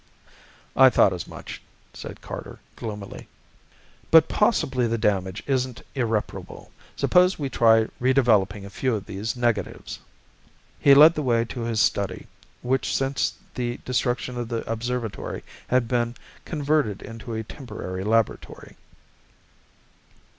"I thought as much," said Carter, gloomily. "But possibly the damage isn't irreparable. Suppose we try re developing a few of these negatives." He led the way to his study, which since the destruction of the observatory had been converted into a temporary laboratory.